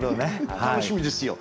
楽しみですよ。